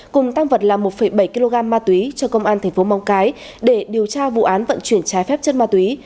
cùng tăng vật là một bảy kg ma túy cho công an tp mong cái để điều tra vụ án vận chuyển trái phép chất ma túy